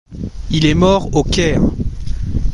Il est mort au Caire.